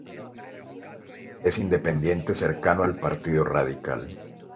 Es independiente cercano al Partido Radical.